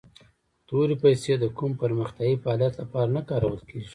تورې پیسي د کوم پرمختیایي فعالیت لپاره نه کارول کیږي.